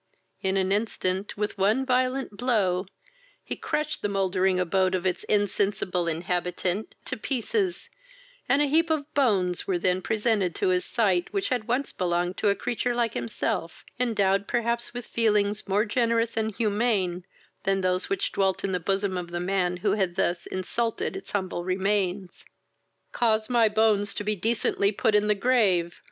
In an instant, with one violent blow, he crushed the mouldring abode of its insensible inhabitant to pieces, and a heap of bones were then presented to his sight, which had once belonged to a creature like himself, endowed perhaps with feelings more generous and humane than those which dwelt in the bosom of the man who had thus insulted its humble remains. "Cause my bones to be decently put in the grave!